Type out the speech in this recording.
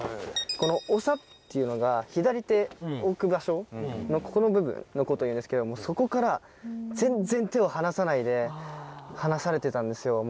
この筬っていうのが左手置く場所のここの部分のこと言うんですけどそこから全然手を離さないで話されてたんですよ。